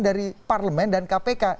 dari parlemen dan kpk